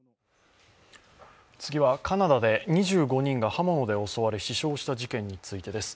次は、カナダで２５人が刃物で襲われ、死傷した事件です。